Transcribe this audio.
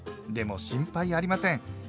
でも心配ありません。